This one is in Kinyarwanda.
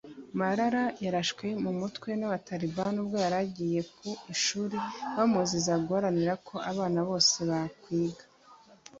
Malala yarashwe mu mutwe n’Abatalibani ubwo yari agiye ku ishuri bamuziza guharanira ko abana bose bakwiga